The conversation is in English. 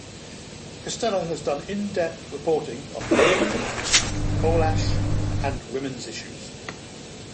Costello has done in-depth reporting on bullying, coal ash, and women's issues.